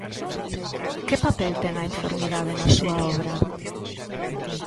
Que papel ten a enfermidade na súa obra?